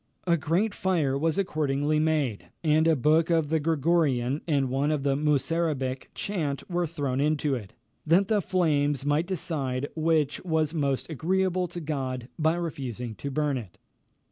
A great fire was accordingly made, and a book of the Gregorian and one of the Musarabic chant were thrown into it, that the flames might decide which was most agreeable to God by refusing to burn it.